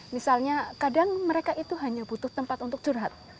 misalnya kadang mereka itu hanya butuh tempat untuk curhat